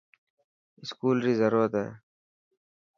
اسڪول ري ضرورت هي.